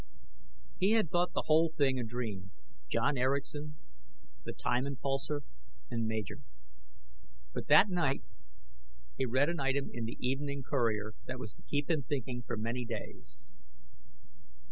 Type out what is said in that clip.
He had thought the whole thing a dream John Erickson, the "time impulsor" and Major. But that night he read an item in the Evening Courier that was to keep him thinking for many days.